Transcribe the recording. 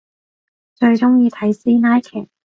最中意睇師奶劇